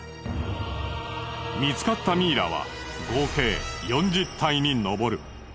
見つかったミイラは合計４０体にのぼる。